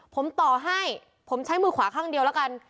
ผมต่อให้ผมใช้มือขวาข้างเดียวแล้วกัน